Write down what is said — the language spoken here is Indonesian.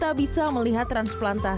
jadi saya peduli sampai ketemu pakatan